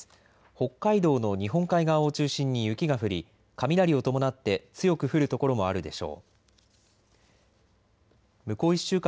北海道の日本海側を中心に雪が降り、雷を伴って強く降る所もあるでしょう。